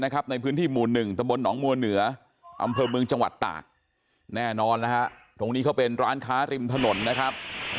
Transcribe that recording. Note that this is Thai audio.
อำเภอเมืองจังหวัดตากแน่นอนนะฮะตรงนี้เขาเป็นร้านค้าริมถนนนะครับ